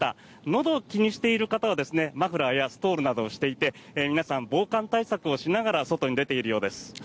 のどを気にしている方はマフラーやストールなどをしていて皆さん防寒対策をしながら外に出ているようです。